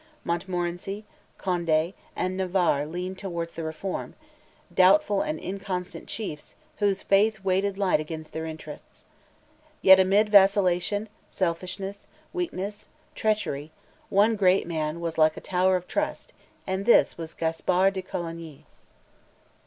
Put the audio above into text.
Montmorency, Conde, and Navarre leaned towards the Reform, doubtful and inconstant chiefs, whose faith weighed light against their interests. Yet, amid vacillation, selfishness, weakness, treachery, one great man was like a tower of trust, and this was Gaspar de Coligny.